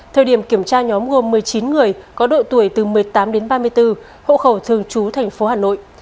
theo điểm kiểm tra nhóm gồm một mươi chín người có độ tuổi từ một mươi tám đến ba mươi bốn hộ khẩu thường trú tp hà nội